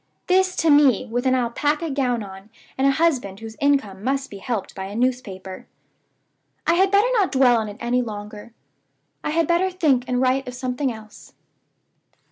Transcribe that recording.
This to me, with an alpaca gown on, and a husband whose income must be helped by a newspaper! "I had better not dwell on it any longer. I had better think and write of something else.